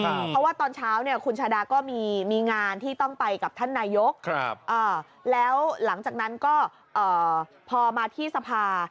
เพราะว่าตอนเช้าเนี่ยคุณชาดาก็มีงานที่ต้องไปกับท่านนายกแล้วหลังจากนั้นก็พอมาที่สภา